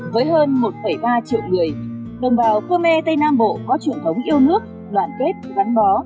với hơn một ba triệu người đồng bào khmer tây nam bộ có truyền thống yêu nước đoàn kết văn bó